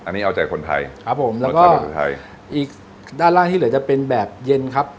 อันนี้เอาใจคนไทยครับผมแล้วก็คนไทยอีกด้านล่างที่เหลือจะเป็นแบบเย็นครับ